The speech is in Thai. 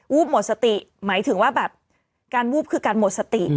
หมดสติหมายถึงว่าแบบการวูบคือการหมดสติ